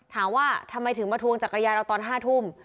ถามว่าทำไมถึงมาทวงจักรยานเราตอน๕ทุ่ม